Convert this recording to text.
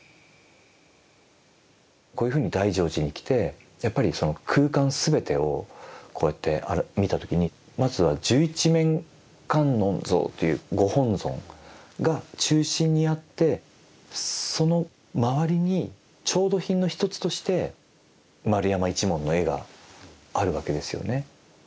こういうふうに大乗寺に来てやっぱりその空間全てをこうやって見た時にまずは十一面観音像というご本尊が中心にあってその周りに調度品の一つとして円山一門の絵があるわけですよね。